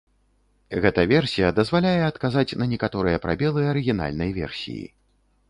Гэта версія дазваляе адказаць на некаторыя прабелы арыгінальнай версіі.